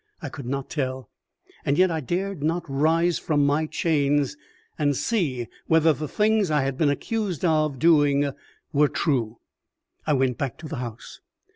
I could not tell. And yet I dared not rise from my chains, and see whether the things I had been accused of doing were true. I went back to the house.